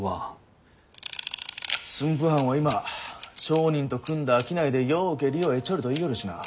駿府藩は今商人と組んだ商いでようけ利を得ちょるといいよるしなぁ。